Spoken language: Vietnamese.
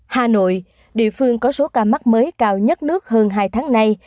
hà nội địa phương có số ca mắc mới cao nhất nước hơn hai tháng nay